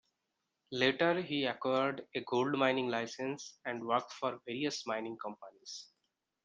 Later he acquired a gold-mining licence and worked for various mining companies.